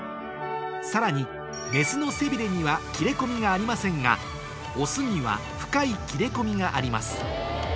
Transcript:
さらにメスの背びれには切れ込みがありませんがオスには深い切れ込みがあります